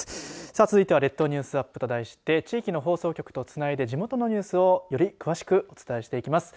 続いては、列島ニュースアップと題して地域の放送局とつないで地元のニュースをより詳しくお伝えします。